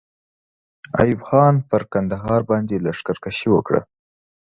ایوب خان پر کندهار باندې لښکر کشي وکړه.